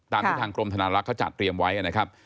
ตามที่ทางกรมธนาลักษ์เขาจัดเตรียมไว้นะครับ